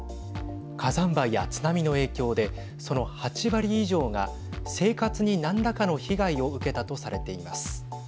火山灰や津波の影響でその８割以上が生活に何らかの被害を受けたとされています。